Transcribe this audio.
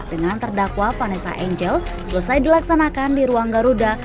dengan terdakwa vanessa angel selesai dilaksanakan di ruang garuda